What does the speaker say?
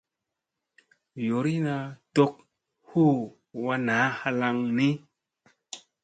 Yoorina tok huu wa naa halaŋ ni.